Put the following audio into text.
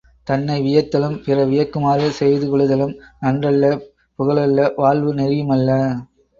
தன்னை வியத்தலும், பிறர் வியக்குமாறு செய்து கொள்ளுதலும் நன்றல்ல புகழல்ல வாழ்வு நெறியுமல்ல.